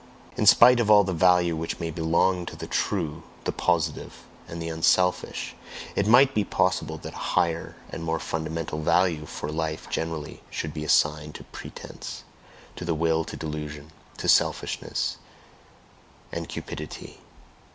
In spite of all the value which may belong to the true, the positive, and the unselfish, it might be possible that a higher and more fundamental value for life generally should be assigned to pretence, to the will to delusion, to selfishness, and cupidity.